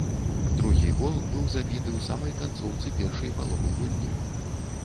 Другі гол быў забіты ў самай канцоўцы першай паловы гульні.